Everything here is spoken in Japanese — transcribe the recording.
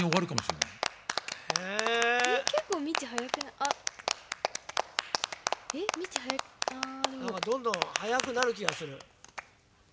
なんかどんどんはやくなるきがする。